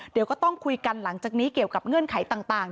เดี๋ยวก็ต้องคุยกันหลังจากนี้เกี่ยวกับเงื่อนไขต่าง